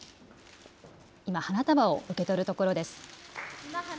今、花束を受け取るところです。